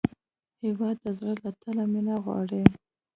هېواد د زړه له تله مینه غواړي.